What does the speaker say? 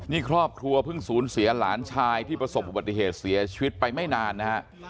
นี่ครอบครัวเพิ่งสูญเสียหลานชายที่ประสบอุบัติเหตุเสียชีวิตไปไม่นานนะฮะ